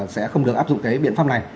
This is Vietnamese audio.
sẽ không được áp dụng cái biện pháp này